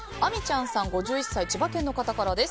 ５１歳、千葉県の方からです。